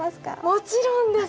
もちろんです。